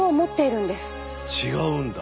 違うんだ。